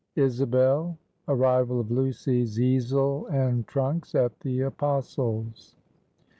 ISABEL. ARRIVAL OF LUCY'S EASEL AND TRUNKS AT THE APOSTLES'.